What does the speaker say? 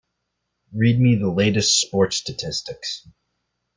Read me the latest sports statistics.